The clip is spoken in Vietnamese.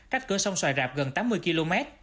cách cửa sông xoài rạp gần tám mươi km